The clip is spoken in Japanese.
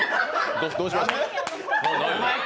ど、どうしました？